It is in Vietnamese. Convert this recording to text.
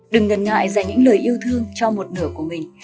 đừng ngần ngại dành những lời yêu thương cho một nửa của mình